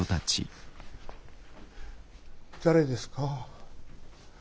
誰ですか？